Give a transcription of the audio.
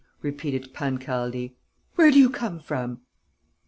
repeated Pancaldi. "Where do you come from?"